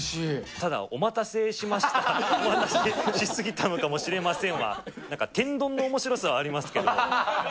ただお待たせしました、待たせ過ぎたのかもしれませんは、なんか天丼のおもしろさはありま